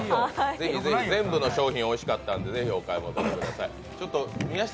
ぜひ、全部の商品おいしかったのでぜひお買い求めください。